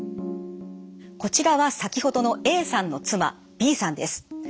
こちらは先ほどのＡさんの妻Ｂさんです。